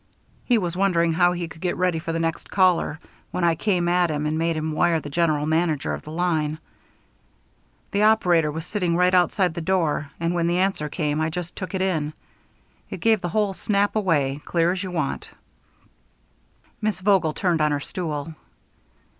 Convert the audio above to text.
He was wondering how he could get ready for the next caller, when I came at him and made him wire the General Manager of the line. The operator was sitting right outside the door, and when the answer came I just took it in it gave the whole snap away, clear as you want." Miss Vogel turned on her stool.